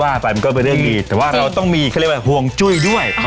คือก็ว่ามันก็เป็นเรื่องนี้แต่ว่าเราต้องมีเค้๐๓วัเข้าเลี้ยวว่าห่วงจุ้ยด้วย